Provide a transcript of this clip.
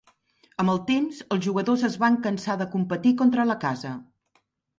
Amb el temps els jugadors es van cansar de competir contra la casa.